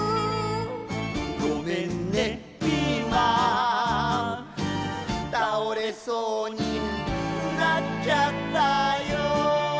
「ごめんねピーマン」「倒れそうになっちゃったよ」